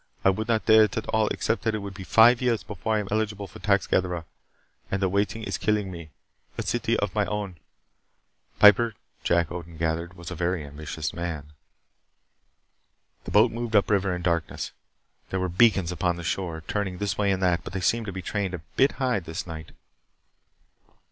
I would not dare it at all except that it will be five years before I am eligible for tax gatherer, and the waiting is killing me. A city of my own " Piper, Jack Odin gathered, was a very ambitious man. The boat moved up river in darkness. There were beacons upon the shore, turning this way and that, but they seemed to be trained a bit high this night.